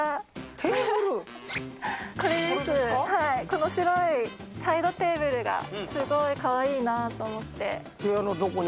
この白いサイドテーブルがすごいカワイイなと思って。